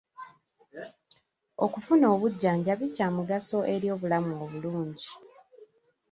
Okufuna obujjanjabi kya mugaso eri obulamu obulungi.